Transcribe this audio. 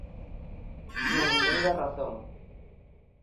Non entendo a razón.